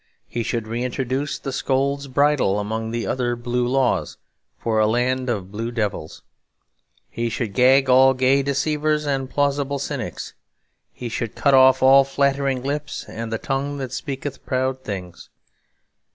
He should reintroduce the Scold's Bridle among the other Blue Laws for a land of blue devils. He should gag all gay deceivers and plausible cynics; he should cut off all flattering lips and the tongue that speaketh proud things.